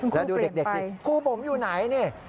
แล้วดูเด็กสิครูผมอยู่ไหนนี่